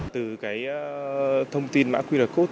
từ cái thông tin mã qr code